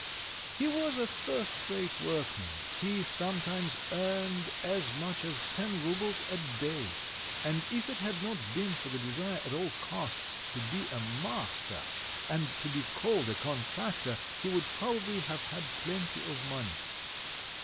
He was a first rate workman; he sometimes earned as much as ten roubles a day; and if it had not been for the desire at all costs to be a master, and to be called a contractor, he would probably have had plenty of money.